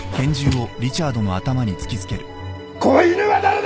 子犬は誰だ！